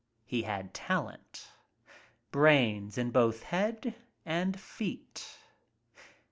He had talent. Brains in both head and feet.